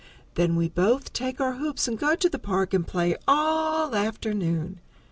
Then we both take our hoops and go to the park and play all afternoon.